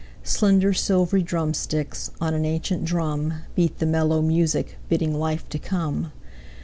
Slender, silvery drumsticks, On an ancient drum, Beat the mellow music Bidding life to come.